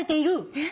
えっ。